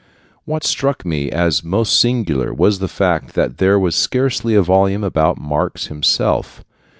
What struck me as most singular was the fact that there was scarcely a volume about Marx himself.